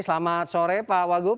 selamat sore pak wagub